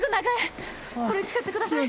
これ使ってください。